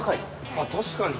あっ確かに。